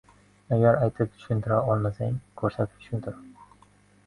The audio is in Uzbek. • Agar aytib tushuntira olmasang — ko‘rsatib tushuntir.